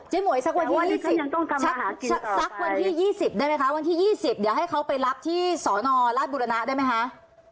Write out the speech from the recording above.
หมวยสักวันที่๒๐สักวันที่๒๐ได้ไหมคะวันที่๒๐เดี๋ยวให้เขาไปรับที่สนราชบุรณะได้ไหมคะ